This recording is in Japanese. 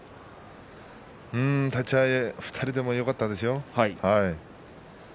立ち合い２人ともよかったですよ。